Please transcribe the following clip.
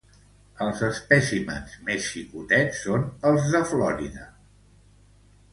Els espècimens més xicotets són els de Florida.